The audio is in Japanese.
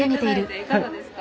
いかがですか？